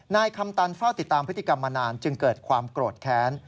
นายคำตันเฝ้าติดตามพฤติกรรมมานานจึงเกิดความโกรธแค้น